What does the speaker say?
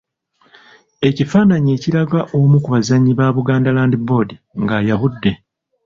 Ekifaananyi ekiraga omu ku bazannyi ba Buganda Land Board nga ayabudde.